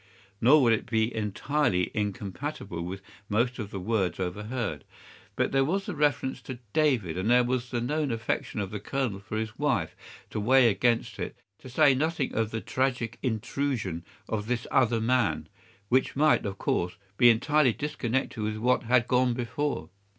Nor would it be entirely incompatible with most of the words overheard. But there was the reference to David, and there was the known affection of the Colonel for his wife, to weigh against it, to say nothing of the tragic intrusion of this other man, which might, of course, be entirely disconnected with what had gone before.